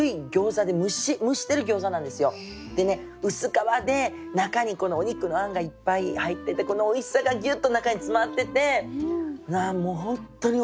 でね薄皮で中にお肉のあんがいっぱい入っててこのおいしさがギュッと中に詰まっててもう本当においしい。